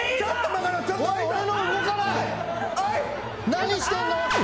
何してんの？